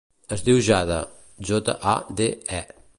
Es diu Jade: jota, a, de, e.